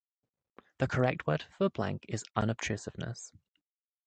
The correct word for the blank is "unobtrusiveness".